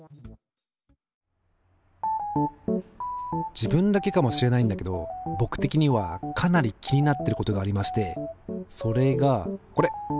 自分だけかもしれないんだけど僕的にはかなり気になってることがありましてそれがこれ。